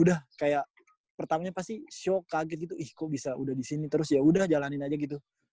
udah kayak pertamanya pasti show kaget gitu ih kok bisa udah di sini terus yaudah jalanin aja gitu